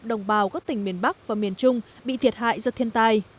đồng bào các tỉnh miền bắc và miền trung bị thiệt hại do thiên tai